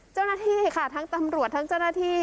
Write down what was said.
เจ้าหน้าที่ค่ะทั้งตำรวจทั้งเจ้าหน้าที่